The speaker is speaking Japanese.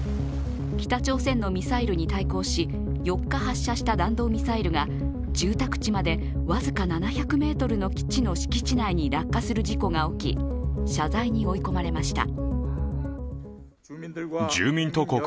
北朝鮮のミサイルに対抗し、４日発射した弾道ミサイルが住宅地まで僅か７００ｍの基地の敷地内に落下する事故が起き謝罪に追い込まれました。